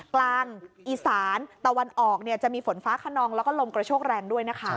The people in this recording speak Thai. กลางอีสานตะวันออกจะมีฝนฟ้าขนองแล้วก็ลมกระโชกแรงด้วยนะคะ